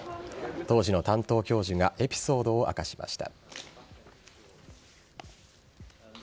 当時の担当教授がエピソードを明かしました。